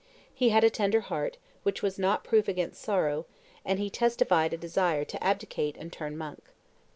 He had a tender heart, which was not proof against sorrow; and he testified a desire to abdicate and turn monk.